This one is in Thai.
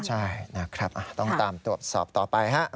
ใช่ต้องตามตรวจสอบต่อไป